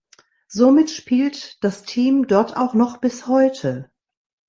Somit spielt das Team dort auch noch bis heute.